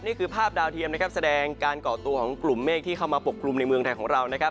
นี่คือภาพดาวเทียมนะครับแสดงการก่อตัวของกลุ่มเมฆที่เข้ามาปกกลุ่มในเมืองไทยของเรานะครับ